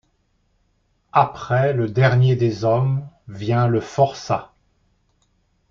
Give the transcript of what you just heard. Après le dernier des hommes vient le forçat.